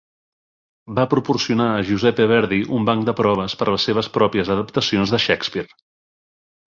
Va proporcionar a Giuseppe Verdi un banc de proves per a les seves pròpies adaptacions de Shakespeare.